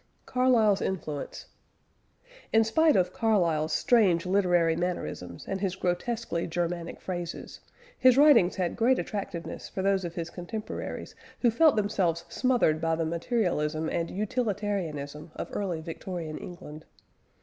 CARLYLE'S INFLUENCE. In spite of Carlyle's strange literary mannerisms and his grotesquely Germanic phrases, his writings had great attractiveness for those of his contemporaries who felt themselves smothered by the materialism and utilitarianism of early Victorian England.